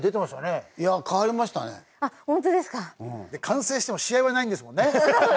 完成しても試合はないんですもんね。